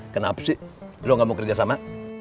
kenapa sih dulu gak mau kerjasama